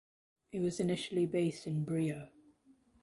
It was initially based in Bria.